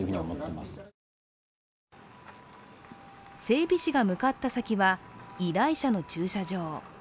整備士が向かった先は、依頼者の駐車場。